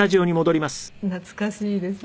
懐かしいですね。